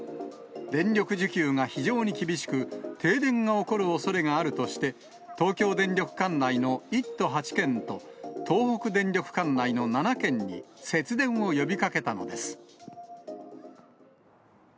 電力需給が非常に厳しく、停電が起こるおそれがあるとして、東京電力管内の１都８県と、東北電力管内の７県に節電を呼びかけたのです。